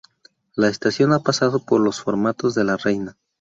La estación ha pasado por los formatos de La Reina.